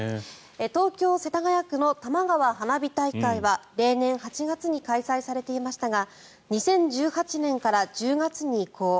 東京・世田谷区のたまがわ花火大会は例年８月に開催されていましたが２０１８年から１０月に移行。